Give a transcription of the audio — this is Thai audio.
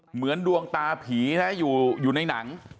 เหมือนดวงตาผีนะอยู่ในหนัง